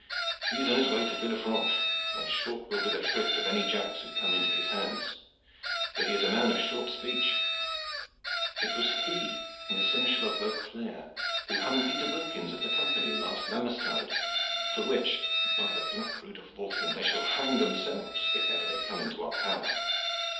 "He is on his way to Villefranche, and short will be the shrift of any Jacks who come into his hands, for he is a man of short speech. It was he and the Seneschal of Beaucaire who hung Peter Wilkins, of the Company, last Lammastide; for which, by the black rood of Waltham! they shall hang themselves, if ever they come into our power.